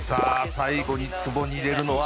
最後に壺に入れるのは